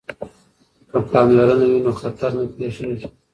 که پاملرنه وي نو خطر نه پیښیږي.